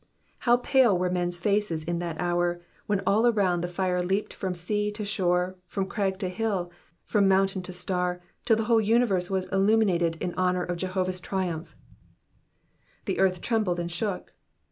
How pale were men's faces in that hour, when all around the fiie leaped from sea to shore, from crag to hill, from mountain to star, till the whole universe was illuminated in honour of Jehovah's triumph. ''The earth trembled and shook.''